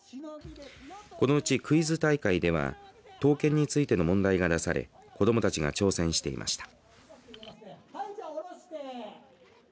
このうち、クイズ大会では刀剣についての問題が出され子どもたちが挑戦していました。